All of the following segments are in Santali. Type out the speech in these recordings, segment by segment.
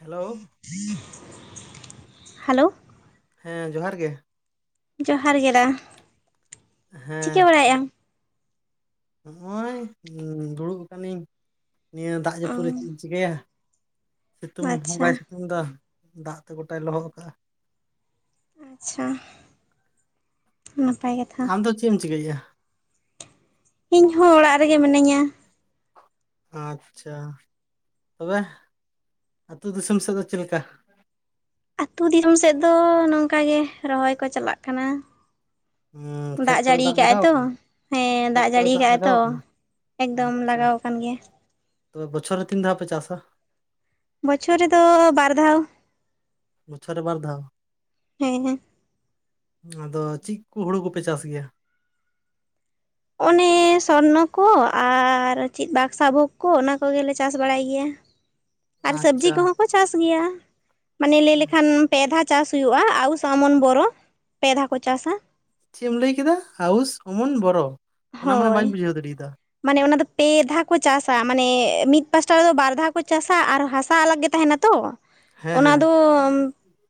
ᱦᱮᱞᱳ ᱦᱮᱞᱳᱼᱼ ᱦᱮᱸ ᱡᱚᱦᱟᱨ ᱜᱮ ᱾ ᱡᱚᱦᱟᱨ ᱜᱮ ᱫᱟ ᱪᱤᱠᱟᱹ ᱵᱟᱲᱟᱭᱮᱜ ᱟᱢ? ᱦᱚᱸᱜᱼᱚᱭ ᱫᱩᱲᱩᱜ ᱟᱠᱟᱱᱤᱧ ᱱᱤᱭᱟᱹ ᱫᱟᱜ ᱚ ᱡᱟᱹᱯᱩᱫ ᱨᱮ ᱪᱮᱜ ᱤᱧ ᱪᱤᱠᱟᱹᱭᱟ? ᱥᱤᱛᱩᱝ ᱦᱚᱸ ᱟᱪᱪᱷᱟ ᱵᱟᱭ ᱥᱤᱛᱩᱝᱫᱟ ᱫᱟᱜ ᱛᱮ ᱜᱚᱴᱟᱭ ᱞᱚᱦᱚᱫ ᱠᱟᱜᱼᱟ ᱾ ᱟᱪᱪᱷᱟ ᱱᱟᱯᱟᱭ ᱠᱟᱛᱷᱟ ᱾ ᱟᱢ ᱫᱚ ᱪᱮᱫ ᱮᱢ ᱪᱤᱠᱟᱹᱭᱮᱜᱼᱟ ᱾ ᱤᱧ ᱦᱚᱸ ᱚᱲᱟᱜ ᱨᱮᱜᱮ ᱢᱤᱱᱟᱹᱧᱟ ᱾ ᱟᱪᱪᱷᱟ ᱛᱚᱵᱮ ᱟᱹᱛᱩ ᱫᱤᱥᱚᱢ ᱥᱮᱫ ᱫᱚ ᱪᱮᱞᱮᱠᱟ? ᱟᱹᱛᱩ ᱫᱤᱥᱚᱢ ᱥᱮᱫ ᱫᱚ ᱱᱚᱝᱠᱟ ᱜᱮ ᱨᱚᱦᱚᱭ ᱠᱚ ᱪᱟᱞᱟᱜ ᱠᱟᱱᱟ ᱾ ᱩᱸ ᱠᱷᱮᱛ ᱫᱟᱜ ᱠᱚᱨᱮ ᱡᱟᱹᱲᱤ ᱠᱟᱜᱟᱭ ᱞᱟᱜᱟᱣ ᱛᱚ ᱟᱠᱟᱱᱟ ᱦᱮᱸ ᱠᱷᱮᱛ ᱫᱟᱜ ᱠᱚᱨᱮ ᱡᱟᱹᱲᱤ ᱠᱟᱜᱟᱭ ᱞᱟᱜᱟᱣ ᱛᱚ ᱟᱠᱟᱱᱟ ᱾ ᱮᱠᱫᱚᱢ ᱟᱪᱪᱷᱟ ᱞᱟᱜᱟᱣ ᱠᱟᱱ ᱜᱮᱭᱟ ᱾ ᱛᱚᱵᱮ ᱵᱚᱪᱷᱚᱨ ᱨᱮ ᱛᱤᱱ ᱫᱷᱟᱣ ᱯᱮ ᱪᱟᱥᱟ ᱾ ᱵᱚᱪᱷᱚᱨ ᱨᱮᱫᱚ ᱵᱟᱨ ᱫᱷᱟᱣ ᱾ ᱵᱚᱪᱷᱚᱨ ᱨᱮ ᱵᱟᱨ ᱫᱷᱟᱣ ᱦᱮᱸ ᱦᱮᱸ ᱟᱫᱚ ᱪᱤᱜ ᱠᱚ ᱦᱳᱲᱳ ᱠᱚᱯᱮ ᱪᱟᱥ ᱜᱮᱭᱟ? ᱚᱱᱮ ᱥᱚᱨᱱᱚ ᱠᱚ ᱟᱨ ᱪᱮᱫ ᱵᱟᱠᱥᱟ ᱵᱷᱳᱜᱽ ᱠᱚ ᱚᱱᱟ ᱠᱚᱜᱮᱞᱮ ᱪᱟᱥ ᱵᱟᱲᱟᱭ ᱜᱮᱭᱟ ᱾ ᱟᱨ ᱥᱚᱵᱽᱡᱤ ᱟᱪᱪᱷᱟ ᱠᱚᱦᱚᱸ ᱠᱚ ᱪᱟᱥ ᱜᱮᱭᱟ ᱢᱟᱱᱮ ᱞᱟᱹᱭ ᱞᱮᱠᱷᱟᱱ ᱾ ᱯᱮ ᱫᱷᱟ ᱪᱟᱥ ᱦᱩᱭᱩᱜᱼᱟ ᱟᱣᱩᱥ ᱟᱢᱚᱱ ᱵᱚᱨᱚ ᱯᱮ ᱫᱷᱟᱣ ᱠᱚ ᱪᱟᱥᱟ ᱾ ᱪᱮ ᱮᱢ ᱞᱟᱹᱭ ᱠᱮᱫᱟ ᱟᱣᱩᱥ ᱚᱢᱚᱱ ᱵᱚᱨᱚ ᱾ ᱦᱳᱭ᱾ ᱩᱭᱳ ᱫᱟᱨᱤᱫᱟ ᱾ ᱢᱟᱱᱮ ᱚᱱᱟ ᱫᱚ ᱯᱮ ᱫᱷᱟ ᱠᱚ ᱪᱟᱥᱟ ᱢᱟᱱᱮ ᱢᱤᱫ ᱯᱟᱥᱴᱟ ᱨᱮᱫᱚ ᱵᱟᱨ ᱫᱷᱟᱣ ᱠᱚ ᱪᱟᱥᱟ ᱟᱨ ᱦᱟᱥᱟ ᱟᱞᱟᱜᱽ ᱜᱮ ᱛᱟᱦᱮᱱᱟ ᱛᱚ ᱾ ᱦᱮᱸ ᱚᱱᱟ ᱦᱮᱸ ᱫᱚ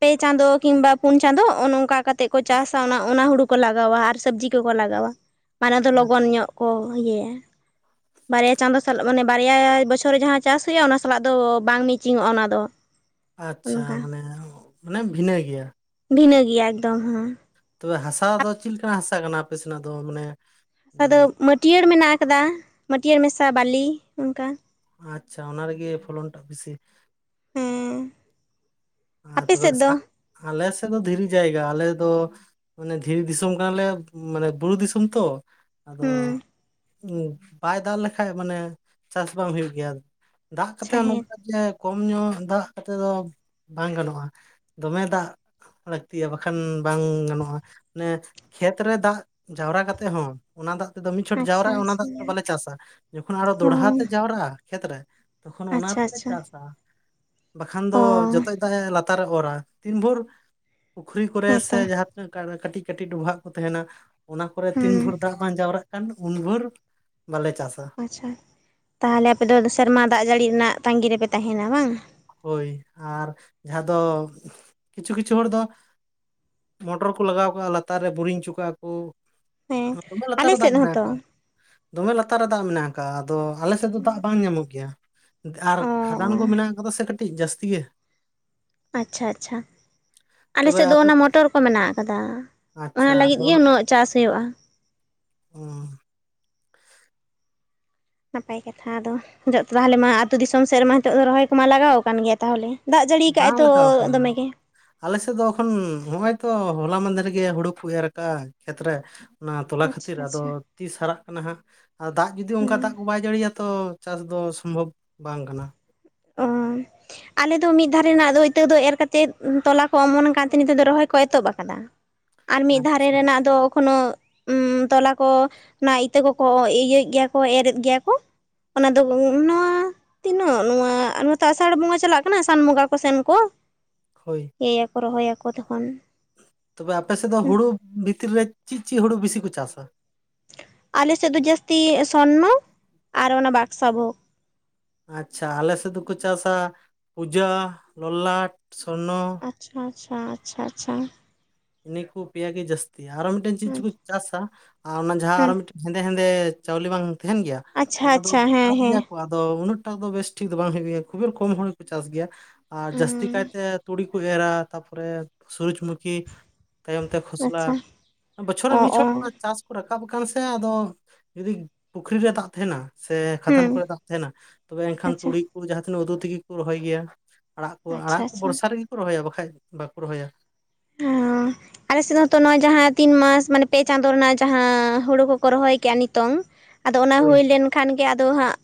ᱯᱮ ᱪᱟᱸᱫᱳ ᱠᱤᱝᱵᱟ ᱯᱩᱱ ᱪᱟᱸᱫᱳ ᱚᱜ ᱱᱚᱝᱠᱟ ᱠᱟᱛᱮᱫ ᱠᱚ ᱪᱟᱥᱟ ᱚᱱᱟ ᱚᱱᱟ ᱦᱩᱲᱩ ᱠᱚ ᱞᱟᱜᱟᱣᱟ ᱟᱨ ᱥᱚᱵᱽᱡᱤ ᱴᱩ ᱠᱚ ᱞᱟᱜᱟᱣᱟ ᱢᱟᱱᱮ ᱫᱚ ᱞᱚᱜᱚᱱ ᱧᱚᱜ ᱠᱚ ᱤᱭᱟᱹᱭᱟ ᱾ ᱵᱟᱨᱭᱟ ᱪᱟᱸᱫᱳ ᱥᱟᱞᱟᱜ ᱢᱟᱱᱮ ᱵᱟᱨᱭᱟ ᱵᱚᱪᱷᱚᱨ ᱨᱮ ᱡᱟᱦᱟᱸ ᱪᱟᱥ ᱦᱩᱭᱩᱜᱼᱟ ᱚᱱᱟ ᱥᱟᱞᱟᱜ ᱫᱚ ᱵᱟᱝ ᱢᱮᱪᱤᱝ ᱚᱜᱼᱟ ᱚᱱᱟ ᱫᱚ ᱾ ᱟᱪᱪᱷᱟ ᱢᱟᱱᱮ ᱢᱟᱱᱮ ᱵᱷᱤᱱᱟᱹ ᱜᱮᱭᱟ ᱾ ᱵᱷᱤᱱᱟᱹ ᱜᱮᱭᱟ ᱮᱠᱫᱚᱢ ᱦᱚᱸ ᱾ ᱛᱚᱵᱮ ᱦᱟᱥᱟ ᱫᱚ ᱪᱤᱞ ᱠᱟᱱᱟ ᱦᱟᱥᱟ ᱠᱟᱱᱟ ᱟᱯᱮ ᱥᱮᱱᱟᱜ ᱫᱚ ᱢᱟᱱᱮ ᱾ ᱟᱫᱚ ᱢᱟᱹᱴᱭᱟᱹᱲ ᱢᱮᱱᱟᱜ ᱟᱠᱟᱫᱟ ᱢᱟᱹᱴᱭᱟᱹᱲ ᱢᱮᱥᱟ ᱵᱟᱞᱤ ᱚᱱᱠᱟ ᱾ ᱟᱪᱪᱷᱟ ᱚᱱᱟ ᱨᱮᱜᱮ ᱯᱷᱚᱞᱚᱱᱴᱟᱜ ᱵᱮᱥᱤ ᱾ ᱦᱮᱸ ᱟᱸ ᱟᱯᱮ ᱛᱚᱵᱮ ᱥᱮᱫ ᱫᱚ ᱥᱟᱜ ᱟᱞᱮ ᱥᱮᱫ ᱫᱚ ᱫᱷᱤᱨᱤ ᱡᱟᱭᱜᱟ ᱟᱞᱮ ᱫᱚ ᱾ ᱢᱟᱱᱮ ᱫᱷᱤᱨᱤ ᱫᱤᱥᱚᱢ ᱠᱟᱱᱟᱞᱮ ᱢᱟᱱᱮ ᱵᱩᱨᱩ ᱫᱤᱥᱚᱢ ᱛᱚ ᱾ ᱟᱫᱚ ᱦᱩᱸ ᱩᱸᱵ ᱵᱟᱭ ᱫᱟᱜ ᱞᱮᱠᱷᱟᱡ ᱢᱟᱱᱮ ᱪᱟᱥ ᱵᱟᱝ ᱦᱩᱭᱩᱜ ᱜᱮᱭᱟ ᱾ ᱫᱟᱜ ᱟᱪᱪᱷᱟ ᱠᱟᱛᱮᱫ ᱦᱮᱸ [unintelligible] ᱠᱚᱢ ᱧᱚᱜ ᱫᱟᱜ ᱠᱟᱛᱮ ᱫᱚ ᱾ ᱵᱟᱝ ᱜᱟᱱᱚᱜᱼᱟ ᱫᱚᱢᱮ ᱫᱟᱜ ᱾ ᱞᱟᱹᱠᱛᱤᱭᱟ ᱵᱟᱠᱷᱟᱱ ᱵᱟᱝ ᱜᱟᱱᱚᱜᱼᱟ ᱚᱱᱮ ᱠᱷᱮᱛ ᱨᱮ ᱫᱟᱜ ᱡᱟᱣᱨᱟ ᱠᱟᱛᱮᱜ ᱦᱚᱸ ᱾ ᱚᱱᱟ ᱫᱟᱜ ᱛᱮᱫᱚ ᱢᱤᱫ ᱪᱷᱚᱴ ᱟᱪᱪᱷᱟ ᱡᱟᱣᱨᱟᱜᱼᱟ ᱚᱱᱟ ᱫᱟᱜ ᱛᱮᱫᱚ ᱟᱪᱪᱷᱟ ᱵᱟᱞᱮ ᱪᱟᱥᱟ ᱡᱚᱠᱷᱚᱱ ᱟᱨᱚ ᱚ ᱫᱚᱲᱦᱟ ᱛᱮ ᱡᱟᱣᱨᱟᱜᱼᱟ ᱠᱷᱮᱛᱨᱮ ᱛᱚᱠᱷᱚᱱ ᱚᱱᱟ ᱟᱪᱪᱷᱟ ᱛᱮᱞᱮ ᱟᱪᱪᱷᱟ ᱪᱟᱥᱟ ᱵᱟᱠᱷᱟᱱ ᱫᱚ ᱚ ᱡᱚᱛ ᱞᱟᱛᱟᱨᱮ ᱚᱨᱟ ᱛᱤᱱ ᱵᱷᱳᱨ ᱯᱩᱠᱷᱨᱤ ᱠᱚᱨᱮ ᱥᱮ ᱦᱮᱸᱛᱚ ᱡᱟᱦᱟᱸ [unintelligible] ᱠᱟᱹᱴᱤᱡ ᱠᱟᱹᱴᱤᱡ ᱰᱚᱵᱷᱟᱜ ᱠᱚ ᱛᱟᱦᱮᱱᱟ ᱚᱱᱟ ᱠᱚᱨᱮ ᱛᱤᱱ ᱦᱩᱸ ᱵᱷᱳᱨ ᱫᱟᱜ ᱵᱟᱝ ᱡᱟᱣᱨᱟᱜ ᱾ ᱠᱷᱟᱱ ᱩᱱ ᱵᱷᱳᱨ ᱵᱟᱞᱮ ᱪᱟᱥᱟ ᱾ ᱟᱪᱪᱷᱟ ᱛᱟᱦᱟᱞᱮ ᱟᱯᱮ ᱫᱚ ᱥᱮᱨᱢᱟ ᱫᱟᱜ ᱡᱟᱹᱲᱤ ᱨᱮᱱᱟᱜ ᱛᱟᱸᱜᱤ ᱨᱮᱯᱮ ᱛᱟᱦᱮᱱᱟ ᱵᱟᱝ? ᱦᱳᱭ ᱟᱨ ᱡᱟᱦᱟᱸ ᱫᱚ ᱠᱤᱪᱷᱩ ᱠᱤᱪᱷᱩ ᱦᱚᱲ ᱫᱚ ᱾ ᱢᱚᱴᱚᱨ ᱠᱚ ᱞᱟᱜᱟᱣ ᱠᱟᱜᱼᱟ ᱞᱟᱛᱟᱨ ᱨᱮ ᱵᱳᱨᱤᱝ ᱪᱚᱜ ᱠᱟᱜᱼᱟ ᱠᱚ ᱦᱮᱸ ᱫᱚᱢᱮ ᱞᱟᱛᱟᱨ ᱟᱞᱮ ᱨᱮ ᱥᱮᱫ ᱫᱟᱜ ᱢᱮᱱᱟᱜ ᱦᱚᱸᱛᱚ ᱟᱠᱟ ᱾ ᱫᱚᱢᱮ ᱞᱟᱛᱟᱨ ᱨᱮ ᱫᱟᱜ ᱢᱮᱱᱟᱜ ᱟᱠᱟ ᱟᱫᱚ ᱟᱞᱮ ᱥᱮᱫ ᱫᱚ ᱫᱟᱜ ᱵᱟᱝ ᱧᱟᱢᱚᱜ ᱜᱮᱭᱟ ᱾ ᱟᱨ ᱚ ᱠᱷᱟᱫᱟᱱ ᱚ ᱠᱚ ᱢᱮᱱᱟᱜ ᱠᱟᱫᱟ ᱥᱮ ᱠᱟᱹᱴᱤᱡ ᱡᱟᱹᱥᱛᱤ ᱜᱮ ᱾ ᱟᱪᱪᱷᱟ ᱟᱪᱪᱷᱟ ᱾ ᱟᱞᱮ ᱛᱚᱵᱮ ᱥᱮᱫ ᱫᱚ ᱟᱯᱮ ᱚᱱᱟ ᱢᱚᱴᱚᱨ ᱠᱚ ᱢᱮᱱᱟᱜ ᱠᱟᱫᱟ ᱟᱪᱪᱷᱟ ᱚᱱᱟ ᱟᱫᱚ ᱞᱟᱹᱜᱤᱫ ᱜᱮ ᱩᱱᱟᱹᱜ ᱪᱟᱥ ᱦᱩᱭᱩᱜᱼᱟ ᱾ ᱦᱩᱸ ᱱᱟᱯᱟᱭ ᱠᱟᱛᱷᱟ ᱟᱫᱚ ᱡᱚᱛ ᱛᱟᱦᱚᱞᱮ ᱢᱟ ᱟᱹᱛᱩ ᱫᱤᱥᱚᱢ ᱥᱮᱫ ᱨᱮᱢᱟ ᱦᱤᱛᱚᱜ ᱫᱚ ᱨᱚᱦᱚᱭ ᱠᱚᱢᱟ ᱞᱟᱜᱟᱣ ᱟᱠᱟᱱ ᱜᱮᱭᱟ ᱛᱟᱦᱚᱞᱮ? ᱫᱟᱜ ᱡᱟᱹᱲᱤ ᱠᱟᱜᱟᱭ ᱵᱟᱝ ᱛᱚ ᱞᱟᱜᱟᱣ ᱟᱠᱟᱱᱟ ᱫᱚᱢᱮᱜᱮ ᱾ ᱟᱞᱮ ᱥᱮᱫ ᱫᱚ ᱮᱠᱷᱚᱱ ᱦᱚᱜᱼᱚᱭ ᱛᱚ ᱦᱚᱞᱟ ᱢᱟᱫᱷᱮᱨ ᱨᱮ ᱜᱮ ᱦᱩᱲᱩ ᱠᱚ ᱮᱨ ᱠᱟᱜᱼᱟ ᱠᱷᱮᱛᱨᱮ ᱾ ᱚᱱᱟ ᱛᱚᱞᱟ ᱟᱪᱪᱷᱟ ᱠᱷᱟᱹᱛᱤᱨ ᱟᱫᱚ ᱟᱪᱪᱷᱟ ᱛᱤᱥ ᱦᱟᱨᱟᱜ ᱠᱟᱱᱟ ᱦᱟᱸᱜ ᱟᱨ ᱫᱟᱜ ᱡᱩᱫᱤ ᱦᱩᱸ ᱚᱝᱠᱟ ᱫᱟᱜ ᱠᱚ ᱵᱟᱭ ᱡᱟᱹᱲᱤᱭᱟ ᱛᱚ ᱪᱟᱥ ᱫᱚ ᱥᱚᱢᱵᱷᱚᱵᱽ ᱵᱟᱝ ᱠᱟᱱᱟ ᱾ ᱚ ᱟᱞᱮ ᱫᱚ ᱢᱤᱜ ᱫᱷᱟᱨᱮ ᱱᱟᱜ ᱫᱚ ᱤᱛᱟᱹ ᱫᱚ ᱮᱨ ᱠᱟᱛᱮᱫ ᱛᱚᱞᱟ ᱠᱚ ᱚᱢᱚᱱ ᱟᱠᱟᱱ ᱛᱮ ᱱᱤᱛᱚᱜ ᱫᱚ ᱨᱚᱦᱚᱭ ᱠᱚ ᱮᱛᱚᱦᱚᱵ ᱟᱠᱟᱫᱟ ᱾ [inaudible] ᱟᱨ ᱢᱤᱜ ᱫᱷᱟᱨᱮ ᱟᱪᱪᱷᱟ ᱨᱮᱱᱟᱜ ᱫᱚ ᱮᱠᱷᱚᱱᱳ [inaudible] ᱛᱚᱞᱟ ᱠᱚ ᱚᱱᱟ ᱤᱛᱟᱹ ᱠᱚᱠᱚ ᱤᱭᱟᱹᱭᱮᱫ ᱜᱮᱭᱟ ᱠᱚ ᱮᱨᱮᱫ ᱜᱮᱭᱟ ᱠᱚ ᱾ ᱚᱱᱟ ᱫᱚ ᱱᱚᱣᱟ ᱛᱤᱱᱟᱹᱜ, ᱱᱚᱣᱟ ᱱᱚᱛᱮ ᱟᱥᱟᱲ ᱵᱚᱸᱜᱟ ᱪᱟᱞᱟᱜ ᱠᱟᱱᱟ ᱥᱟᱱ ᱵᱚᱸᱜᱟ ᱠᱚ ᱥᱮᱱ ᱠᱚ ᱦᱳᱭ ᱮᱭᱟᱠᱚ ᱨᱚᱦᱚᱭᱟᱠᱚ ᱛᱚᱠᱷᱚᱱ ᱛᱚᱵᱮ ᱟᱯᱮᱥᱮᱫ ᱫᱚ ᱦᱩᱲᱩ ᱵᱷᱤᱛᱤᱨ ᱨᱮ ᱪᱤᱜ ᱪᱤᱜ ᱦᱩᱲᱩ ᱵᱤᱥᱤ ᱠᱚ ᱪᱟᱥᱟ? ᱟᱞᱮᱥᱮᱫ ᱫᱚ ᱡᱟᱹᱥᱛᱤ ᱥᱚᱨᱱᱚ ᱟᱨ ᱚᱱᱟ ᱵᱟᱠᱥᱟ ᱵᱷᱳᱜᱽ ᱾ ᱟᱪᱪᱷᱟ ᱟᱞᱮᱥᱮᱫ ᱫᱚᱠᱚ ᱪᱟᱥᱟ ᱯᱩᱡᱟᱹ, ᱞᱚᱞᱟᱴ, ᱥᱚᱨᱱᱚ ᱾ ᱟᱪᱪᱷᱟ-ᱟᱪᱪᱷᱟ ᱟᱪᱪᱷᱟ-ᱟᱪᱪᱷᱟ ᱾ ᱱᱤᱠᱩ ᱯᱮᱭᱟᱜᱤ ᱡᱟᱹᱥᱛᱤ ᱟᱨᱚ ᱢᱤᱫᱴᱮᱱ ᱪᱤᱜ ᱪᱩᱠᱩ ᱦᱮᱸ ᱪᱟᱥᱟ ᱟᱨ ᱚᱱᱟ ᱡᱟᱦᱟᱸ ᱟᱨᱚ ᱢᱤᱛᱴᱮᱱ ᱦᱮᱸᱫᱮᱱ ᱛᱮ ᱪᱟᱣᱞᱮ ᱵᱟᱝ ᱛᱟᱦᱮᱱ ᱜᱮᱭᱟ ᱾ ᱟᱪᱪᱷᱟ ᱟᱪᱪᱷᱟ ᱦᱮᱸ ᱦᱮᱸ ᱫᱚ ᱩᱱᱟᱹᱜ ᱴᱟᱜ ᱫᱚ ᱵᱮᱥ ᱴᱷᱤᱠ ᱫᱚ ᱵᱟᱝ ᱦᱩᱭᱩᱜ ᱜᱮᱭᱟ ᱠᱷᱩᱵᱮ ᱠᱚᱢ ᱦᱚᱲ ᱠᱚ ᱪᱟᱥ ᱜᱮᱭᱟ ᱟᱨ ᱡᱟᱹᱥᱛᱤ ᱦᱮᱸ ᱠᱟᱭᱛᱮ ᱛᱩᱲᱤ ᱠᱩ ᱮᱨᱟ ᱛᱟᱯᱚᱨᱮ ᱥᱩᱨᱩᱡᱽ ᱢᱩᱠᱷᱤ ᱛᱟᱭᱚᱢ ᱛᱮ ᱠᱷᱚᱥᱞᱟ ᱟᱪᱪᱷᱟ ᱵᱚᱪᱷᱚᱨ ᱨᱮ ᱚ ᱢᱤᱫ ᱚ ᱪᱷᱚᱴ ᱪᱟᱥ ᱠᱚ ᱨᱟᱠᱟᱵ ᱟᱠᱟᱱ ᱥᱮ ᱟᱫᱚ ᱡᱩᱫᱤ ᱯᱩᱠᱷᱨᱤ ᱨᱮ ᱫᱟᱜ ᱛᱟᱦᱮᱱᱟ ᱥᱮ ᱦᱩᱸ ᱠᱷᱟᱫᱟᱱ ᱠᱚᱨᱮ ᱫᱟᱜ ᱛᱮᱦᱮᱱᱟ ᱛᱚᱵᱮ ᱮᱱᱠᱷᱟᱱ ᱟᱪᱪᱷᱟ ᱛᱩᱲᱤ ᱠᱚ ᱡᱟᱦᱟᱸ ᱛᱤᱱᱟᱹᱜ ᱳᱫᱳ ᱛᱮᱜᱮ ᱠᱚ ᱨᱚᱦᱚᱭ ᱜᱮᱭᱟ᱾ ᱟᱲᱟᱜ ᱠᱚ ᱟᱪᱪᱷᱟ ᱟᱲᱟᱜ ᱠᱚ ᱟᱪᱪᱷᱟ ᱵᱚᱨᱥᱟ ᱨᱮᱜᱮ ᱠᱚ ᱨᱚᱦᱚᱭᱟ ᱵᱟᱠᱷᱟᱡ ᱵᱟᱠᱚ ᱨᱚᱦᱚᱭ-ᱟ ᱾ ᱦᱮᱸ ᱟᱞᱮ ᱥᱮᱫ ᱦᱚᱸ ᱛᱚ ᱱᱚᱜᱚᱭ ᱡᱟᱦᱟᱸ ᱛᱤᱱ ᱢᱟᱥ ᱢᱟᱱᱮ ᱯᱮ ᱪᱟᱸᱫᱳ ᱨᱮᱱᱟᱜ ᱡᱟᱦᱟᱸ ᱦᱳᱲᱳ ᱠᱚᱠᱚ ᱨᱚᱦᱚᱭ ᱠᱟ ᱱᱤᱛᱳᱝ ᱟᱫᱚ ᱚᱱᱟ ᱦᱳᱭ ᱞᱮᱱ ᱠᱷᱟᱱ ᱜᱮ ᱟᱫᱚ ᱦᱟᱸᱜ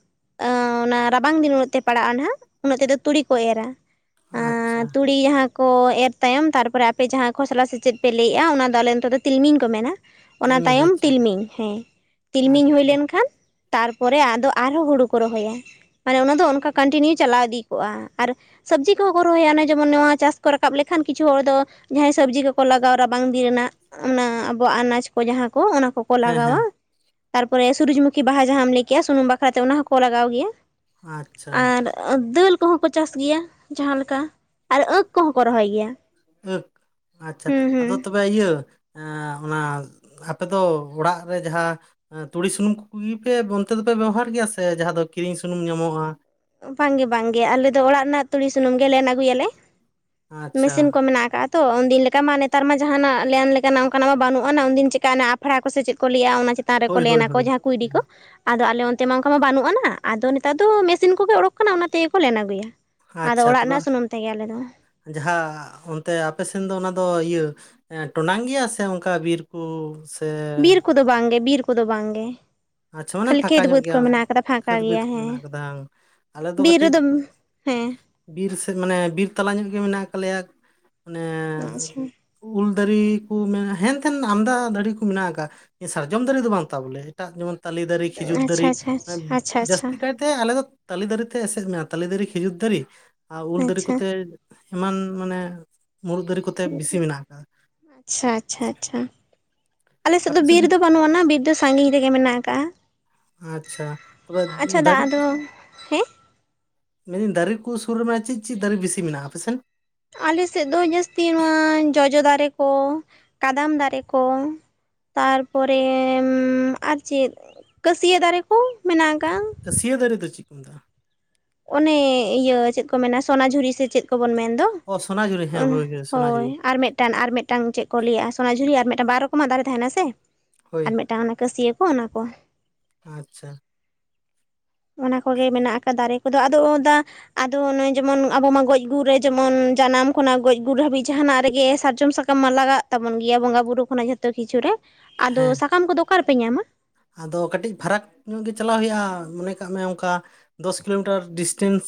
ᱚᱱᱟ ᱨᱟᱵᱟᱝ ᱫᱤᱱ ᱩᱱᱟᱹᱜ ᱛᱮ ᱯᱟᱲᱟᱜ-ᱟ ᱱᱟᱦᱟᱜ, ᱩᱱᱟᱹᱜ ᱛᱮᱫᱚ ᱛᱩᱲᱤ ᱠᱚ ᱮᱨᱟ ᱾ ᱟᱸ ᱟᱪᱪᱷᱟ ᱛᱩᱲᱤ ᱡᱟᱦᱟᱸ ᱠᱚ ᱮᱨ ᱛᱟᱭᱚᱢ ᱛᱟᱨᱯᱚᱨᱮ ᱯᱮ ᱡᱟᱦᱟᱸ ᱠᱷᱚᱥᱞᱟ ᱥᱮ ᱪᱮᱫ ᱯᱮ ᱞᱟᱹᱭᱮᱜ-ᱟ ᱚᱱᱟ ᱫᱚ ᱟᱞᱮ ᱱᱚᱛᱮ ᱫᱚ ᱛᱤᱞᱢᱤᱧ ᱠᱚ ᱢᱮᱱᱟ᱾ ᱚᱱᱟ ᱛᱤᱞᱢᱤᱧ ᱛᱟᱭᱚᱢ ᱟᱪᱪᱷᱟ ᱛᱤᱞᱢᱤᱧ ᱦᱮᱸ ᱛᱤᱞᱢᱤᱧ ᱦᱳᱭ ᱟᱪᱪᱷᱟ ᱞᱮᱱᱠᱷᱟᱱ ᱛᱟᱨᱯᱚᱨᱮ ᱟᱫᱚ ᱟᱨᱦᱚᱸ ᱦᱩᱲᱩ ᱠᱚ ᱨᱚᱦᱚᱭᱟ, ᱢᱟᱱᱮ ᱚᱱᱟ ᱫᱚ ᱚᱱᱠᱟ ᱠᱚᱱᱴᱤᱱᱤᱭᱩ ᱪᱟᱞᱟᱣ ᱤᱫᱤ ᱠᱚᱜᱟ ᱟᱨ ᱥᱟᱵᱽᱡᱤ ᱠᱚᱦᱚᱸ ᱠᱚ ᱨᱚᱦᱚᱭᱟ, ᱚᱱᱮ ᱡᱮᱢᱚᱱ ᱱᱚᱣᱟ ᱪᱟᱥ ᱠᱚ ᱨᱟᱠᱟᱵ ᱞᱮᱠᱷᱟᱱ ᱠᱤᱪᱷᱩ ᱦᱚᱲ ᱫᱚ ᱡᱟᱦᱟᱸᱭ ᱥᱟᱵᱽᱡᱤ ᱠᱚᱠᱚ ᱞᱟᱜᱟᱣ ᱨᱟᱵᱟᱝ ᱫᱤᱱ ᱨᱮᱱᱟᱜ ᱚᱱᱟ ᱟᱵᱚᱣᱟᱜ ᱟᱱᱟᱡᱽ ᱠᱚ ᱡᱟᱦᱟᱸ ᱠᱚ ᱚᱱᱟ ᱠᱚ ᱾ ᱠᱚ ᱦᱮᱸ ᱞᱟᱜᱟᱣᱟ ᱦᱮᱸ ᱛᱟᱨᱯᱚᱨᱮ ᱥᱩᱨᱩᱡ ᱢᱩᱠᱷᱤ ᱵᱟᱦᱟ ᱡᱟᱦᱟᱸᱢ ᱞᱟᱹᱭ ᱠᱮᱜᱟ ᱥᱩᱱᱩᱢ ᱵᱟᱠᱷᱨᱟᱛᱮ ᱚᱱᱟ ᱦᱚᱸᱠᱚ ᱞᱟᱜᱟᱣ ᱜᱮᱭᱟ ᱾ ᱟᱪᱪᱷᱟ ᱫᱟᱹᱞ ᱠᱚᱦᱚᱸ ᱠᱚ ᱪᱟᱥ ᱜᱮᱭᱟ ᱡᱟᱦᱟᱸ ᱞᱮᱠᱟ ᱟᱨ ᱟᱺᱠ ᱠᱚᱦᱚᱸ ᱠᱚ ᱨᱚᱦᱚᱭ ᱜᱮᱭᱟ ᱾ ᱟᱺᱠ ᱟᱪᱪᱷᱟ ᱟᱫᱚ ᱛᱚᱵᱮ ᱤᱭᱟᱹ ᱮᱸ ᱚᱱᱟ ᱟᱯᱮ ᱫᱚ ᱚᱲᱟᱜ ᱨᱮ ᱡᱟᱦᱟᱸ ᱛᱩᱲᱤ ᱥᱩᱱᱩᱢ ᱠᱩᱜᱮ ᱯᱮ ᱚᱱᱛᱮ ᱫᱚᱯᱮ ᱵᱮᱵᱚᱦᱟᱨ ᱜᱮᱭᱟ, ᱥᱮ ᱡᱟᱦᱟᱸ ᱫᱚ ᱠᱤᱨᱤᱧ ᱥᱩᱱᱩᱢ ᱧᱟᱢᱚᱜ-ᱟ? ᱵᱟᱝᱜᱮ ᱵᱟᱝᱜᱮ ᱟᱞᱮ ᱫᱚ ᱚᱲᱟᱜ ᱨᱮᱱᱟᱜ ᱛᱩᱲᱤ ᱥᱩᱱᱩᱢ ᱜᱮ ᱞᱮᱱ ᱟᱹᱜᱩᱭᱟᱞᱮ, ᱟᱪᱪᱷᱟ ᱢᱮᱥᱤᱱ ᱠᱚ ᱢᱮᱱᱟᱜ ᱠᱟᱜᱟ᱾ ᱛᱚ ᱩᱱᱫᱤᱱ ᱞᱮᱠᱟ ᱢᱟ ᱱᱮᱛᱟᱨ ᱢᱟ ᱡᱟᱦᱟᱱᱟᱜ ᱞᱮᱱ ᱞᱮᱠᱟᱱᱟᱜ ᱚᱝᱠᱟᱱᱟᱜ ᱫᱚ ᱵᱟᱹᱱᱩᱜ ᱟᱱᱟ ᱩᱱᱫᱤᱱ ᱪᱮᱫᱠᱟ ᱟᱱᱟ ᱟᱯᱷᱲᱟ ᱠᱚ ᱥᱮ ᱪᱮᱫ ᱠᱚ ᱞᱟᱹᱭᱟ ᱚᱱᱟ ᱪᱮᱛᱟᱱ ᱨᱮᱠᱚ ᱦᱳᱭ ᱦᱳᱭ ᱞᱮᱱᱟᱠᱚ ᱦᱳᱭ ᱡᱟᱦᱟᱸ ᱠᱩᱭᱰᱤ ᱠᱚ ᱦᱮᱸ, ᱟᱫᱚ ᱟᱞᱮ ᱚᱱᱛᱮ ᱢᱟ ᱚᱝᱠᱟ ᱢᱟ ᱵᱟᱹᱱᱩᱜ ᱟᱱᱟ ᱟᱫᱚ ᱱᱮᱛᱟᱨ ᱫᱚ ᱢᱮᱥ ᱥᱤᱱ ᱠᱚᱜᱮ ᱚᱰᱳᱠ ᱠᱟᱱᱟ ᱚᱱᱟ ᱛᱮᱜᱮ ᱠᱚ ᱞᱮᱱ ᱟᱹᱜᱩᱭᱟ ᱾ ᱟᱪᱪᱷᱟ ᱛᱚᱵᱮ ᱡᱟᱦᱟᱸ ᱚᱱᱛᱮ ᱟᱯᱮ ᱥᱮᱱ ᱫᱚ ᱚᱱᱟ ᱫᱚ ᱤᱭᱟᱹ ᱴᱚᱰᱟᱝ ᱜᱮᱭᱟ ᱥᱮ ᱚᱝᱠᱟ ᱵᱤᱨ ᱠᱚ ᱵᱤᱨ ᱠᱚᱫᱚ ᱵᱟᱝᱜᱮ ᱵᱤᱨ ᱠᱚᱫᱚ ᱵᱟᱝᱜᱮ᱾ ᱟᱪᱪᱷᱟ ᱢᱟᱱᱮ ᱠᱷᱟᱹᱞᱤ ᱯᱷᱟᱸᱠᱟ ᱠᱷᱮᱛ ᱧᱚᱜ ᱵᱟᱹᱫᱽ ᱠᱚ ᱜᱮᱭᱟ ᱢᱮᱱᱟᱜ ᱠᱟᱫᱟ, ᱯᱷᱟᱠᱟ ᱠᱷᱟᱹᱫᱽ ᱵᱟᱹᱫᱽ ᱜᱮᱭᱟ ᱠᱚ ᱦᱮᱸ ᱢᱮᱱᱟᱜ ᱟᱠᱟᱫᱟ ᱟᱞᱮ ᱫᱚ ᱵᱤᱨ ᱠᱟᱹᱴᱤᱡ ᱨᱮᱫᱚ ᱦᱮᱸ ᱵᱤᱨ ᱥᱮᱫ ᱢᱟᱱᱮ ᱵᱤᱨ ᱛᱟᱞᱟ ᱧᱚᱜ ᱜᱮ ᱢᱮᱱᱟᱜ ᱠᱟᱜ ᱞᱮᱭᱟ ᱢᱟᱱᱮ ᱟᱪᱪᱷᱟ ᱩᱞ ᱫᱟᱹᱨᱤ ᱠᱚ ᱢᱮᱱ ᱦᱮᱱᱛᱷᱮᱱ ᱟᱢᱫᱟ ᱫᱟᱨᱮ ᱠᱚ ᱢᱮᱱᱟᱜ ᱠᱟᱜᱟ᱾ ᱥᱟᱨᱡᱚᱢ ᱫᱟᱨᱮ ᱫᱚ ᱵᱟᱝ ᱛᱟ ᱵᱚᱞᱮ ᱮᱴᱟᱜ ᱡᱮᱢᱚᱱ ᱛᱟᱞᱮ ᱫᱟᱨᱮ, ᱠᱷᱤᱡᱩᱨ ᱫᱟᱨᱮ, ᱟᱪᱪᱷᱟ ᱟᱪᱪᱷᱟ ᱟᱪᱪᱷᱟ ᱢᱟᱱᱮ ᱟᱪᱪᱷᱟ ᱡᱟᱹᱥᱛᱤ ᱠᱟᱭ ᱛᱮ ᱟᱞᱮ ᱫᱚ ᱛᱟᱞᱮ ᱫᱟᱨᱮᱛᱮ ᱮᱥᱮᱫ ᱢᱮᱱᱟᱜ-ᱟ ᱛᱟᱞᱮ ᱫᱟᱨᱮ, ᱠᱷᱤᱡᱩᱨ ᱫᱟᱨᱮ, ᱟᱨ ᱩᱞ ᱫᱟᱨᱮ ᱟᱪᱪᱷᱟ ᱠᱚᱛᱮ ᱮᱢᱟᱱ ᱢᱟᱱᱮ ᱢᱩᱨᱩᱫ ᱫᱟᱨᱮ ᱠᱚᱛᱮ ᱵᱮᱥᱤ ᱢᱮᱱᱟᱜ ᱟᱠᱟᱫᱟ᱾ ᱟᱪᱪᱷᱟ ᱟᱪᱪᱷᱟ ᱟᱪᱪᱷᱟ ᱟᱞᱮ ᱥᱮᱫ ᱫᱚ ᱵᱤᱨ ᱫᱚ ᱵᱟᱹᱱᱩᱜ ᱟᱱᱟ ᱵᱤᱨ ᱫᱚ ᱥᱟᱹᱜᱤᱧ ᱨᱮᱜᱮ ᱢᱮᱱᱟᱜ ᱠᱟᱜᱟ᱾ ᱟᱪᱪᱷᱟ ᱛᱚᱵᱮ ᱫᱟ ᱫᱟᱹᱨᱤ ᱟᱫᱚ [unintelligible] ᱦᱮᱸ ᱢᱮᱱᱮ ᱫᱤᱧ ᱫᱟᱨᱮ ᱠᱩ ᱥᱩᱨ ᱨᱮ ᱢᱮᱱᱟᱜ-ᱟ ᱪᱮᱫ ᱪᱮᱫ ᱫᱟᱨᱮ ᱵᱤᱥᱤ ᱢᱮᱱᱟᱜ-ᱟ ᱟᱯᱮ ᱥᱮᱱ? ᱟᱞᱮ ᱥᱮᱫ ᱫᱚ ᱡᱟᱹᱥᱛᱤ ᱱᱚᱣᱟ ᱡᱚᱡᱚ ᱫᱟᱨᱮ ᱠᱚ, ᱠᱟᱫᱟᱢ ᱫᱟᱨᱮ ᱠᱚ ᱛᱟᱨᱯᱚᱨᱮ ᱟᱨ ᱪᱮᱫ ᱠᱟᱹᱥᱭᱟᱹ ᱫᱟᱨᱮ ᱠᱚ ᱢᱮᱱᱟᱜ ᱠᱟᱜᱟ᱾ ᱠᱟᱹᱥᱭᱟᱹ ᱫᱟᱨᱮ ᱫᱚ ᱪᱮᱫ ᱠᱚ ᱢᱮᱛᱟᱜ-ᱟ? ᱚᱱᱮ ᱤᱭᱟᱹ ᱪᱮᱫ ᱠᱚ ᱢᱮᱱᱟ ᱥᱚᱱᱟᱡᱷᱩᱨᱤ ᱥᱮ ᱪᱮᱫ ᱠᱚᱵᱚᱱ ᱢᱮᱱ ᱫᱚ ᱚ ᱥᱚᱱᱟᱡᱷᱩᱨᱤ ᱦᱮᱸ ᱚᱱᱟ ᱦᱳᱭ ᱦᱳᱭ ᱥᱚᱱᱟᱡᱷᱩᱨᱤ ᱟᱨ ᱢᱮᱫ ᱴᱟᱱ ᱟᱨ ᱢᱮᱫ ᱴᱟᱝ ᱪᱮᱫ ᱠᱚ ᱞᱟᱹᱭᱟ ᱥᱚᱱᱟᱡᱷᱩᱨᱤ ᱟᱨ ᱢᱮᱫᱴᱟᱝ ᱵᱟᱨ ᱨᱚᱠᱚᱢᱟᱜ ᱫᱟᱨᱮ ᱛᱟᱦᱮᱱᱟ ᱥᱮ ᱦᱳᱭ ᱟᱨ ᱢᱮᱫᱴᱟᱝ ᱚᱱᱟ ᱠᱟᱹᱥᱭᱟᱹ ᱠᱚ ᱚᱱᱟ ᱠᱚ ᱟᱪᱪᱷᱟ᱾ ᱚᱱᱟ ᱠᱚᱜᱮ ᱢᱮᱱᱟᱜ ᱟᱠᱟᱫ ᱫᱟᱨᱮ ᱠᱚᱫᱚ ᱟᱫᱚ ᱫᱟ ᱟᱫᱚ ᱱᱚᱜᱚᱭ ᱡᱮᱢᱚᱱ, ᱟᱵᱚᱢ ᱢᱟ ᱜᱚᱡ ᱜᱩᱨ ᱨᱮ ᱡᱮᱢᱚᱱ, ᱡᱟᱱᱟᱢ ᱠᱷᱚᱱᱟᱜ ᱜᱚᱡ ᱜᱩᱨ ᱦᱟᱹᱵᱤᱡ ᱡᱟᱦᱟᱱᱟᱜ ᱨᱮᱜᱮ ᱥᱟᱨᱡᱚᱢ ᱥᱟᱠᱟᱢ ᱥᱟᱠᱟᱢ ᱢᱟ ᱞᱟᱜᱟᱜ ᱛᱟᱵᱚᱱ ᱜᱮᱭᱟ ᱵᱚᱸᱜᱟ ᱵᱩᱨᱩ ᱠᱷᱚᱱᱟᱜ ᱡᱷᱚᱛᱚ ᱠᱤᱪᱷᱩ ᱨᱮ ᱟᱫᱚ ᱦᱮᱸ ᱥᱟᱠᱟᱢ ᱠᱚᱫᱚ ᱚᱠᱟ ᱨᱮᱯᱮ ᱧᱟᱢᱟ? ᱟᱫᱚ ᱠᱟᱹᱴᱤᱡ ᱯᱷᱟᱨᱟᱠ ᱧᱚᱜ ᱜᱮ ᱪᱟᱞᱟᱣ ᱦᱳᱭᱳᱜᱼᱟ᱾ ᱢᱚᱱᱮ ᱠᱟᱜ ᱢᱮ ᱚᱝᱠᱟ ᱫᱚᱥ ᱠᱤᱞᱳᱢᱤᱴᱟᱨ ᱰᱤᱥᱴᱮᱱᱥ